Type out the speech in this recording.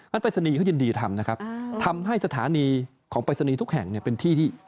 ปริศนีย์เขายินดีทำนะครับทำให้สถานีของปริศนีย์ทุกแห่งเนี่ยเป็นที่ที่